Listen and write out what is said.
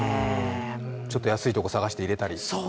ちょっと安いところを探して入れたり？